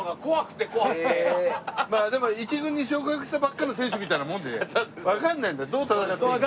一軍に昇格したばっかりの選手みたいなもんでわかんないんだどう戦っていいか。